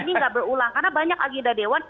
karena ini gak berulang karena banyak agenda dewan